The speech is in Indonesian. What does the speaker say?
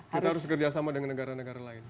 kita harus bekerja sama dengan negara negara lain